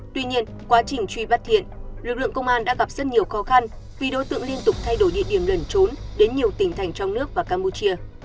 tuy nhiên quá trình truy bắt thiện lực lượng công an đã gặp rất nhiều khó khăn vì đối tượng liên tục thay đổi địa điểm lẩn trốn đến nhiều tỉnh thành trong nước và campuchia